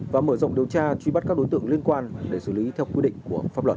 và mở rộng điều tra truy bắt các đối tượng liên quan để xử lý theo quy định của pháp luật